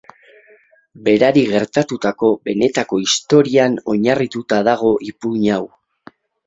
Berari gertatutako benetako historian oinarrituta dago ipuin hau.